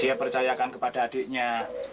dia percayakan kepada adiknya